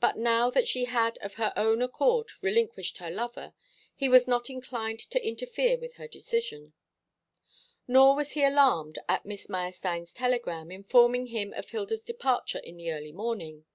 But now that she had of her own accord relinquished her lover, he was not inclined to interfere with her decision. Nor was he alarmed at Miss Meyerstein's telegram, informing him of Hilda's departure in the early morning.